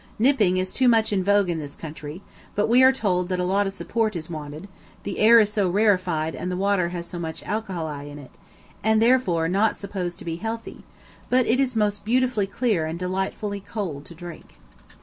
Nipping is too much in vogue in this country, but we are told that a lot of support is wanted, the air is so rarefied and the water has so much alkali in it, and therefore not supposed to be healthy, but it is most beautifully clear and delightfully cold to drink.